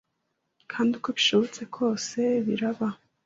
kandi uko bishobotse kose biraba